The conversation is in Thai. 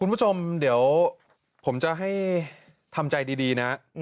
คุณผู้ชมเดี๋ยวผมจะให้ทำใจดีนะ